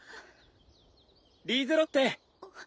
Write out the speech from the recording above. ・リーゼロッテ！